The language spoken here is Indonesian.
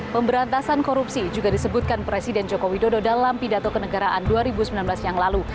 pemberantasan korupsi juga disebutkan presiden joko widodo dalam pidato kenegaraan dua ribu sembilan belas yang lalu